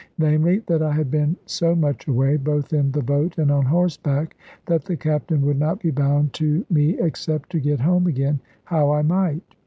Namely, that I had been so much away, both in the boat and on horseback, that the captain would not be bound to me, except to get home again, how I might.